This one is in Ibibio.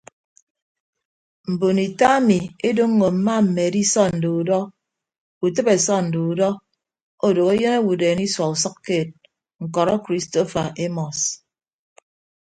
Mbon ita ami edoñño mma mmedi sọnde udọ utịbe sọnde udọ odooho eyịn owodeen isua usʌkkeed ñkọrọ kristofa emọs.